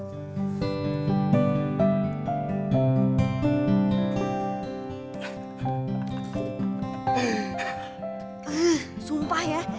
ehh sumpah ya